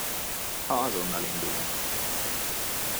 Ha azonnal indulunk.